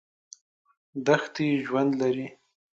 دښتې ژوند لري.